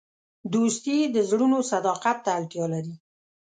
دوستي د زړونو صداقت ته اړتیا لري.